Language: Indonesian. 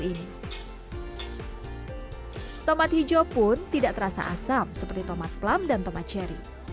ini tomat hijau pun tidak terasa asam seperti tomat plum dan tomat cherry